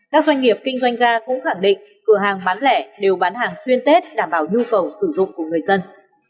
các doanh nghiệp kinh doanh ga cũng khẳng định cửa hàng bán lẻ đều bán hàng xuyên tết đảm bảo nhu cầu sử dụng của người dân